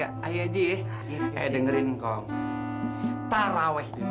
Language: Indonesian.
air wundunya bisa ebawait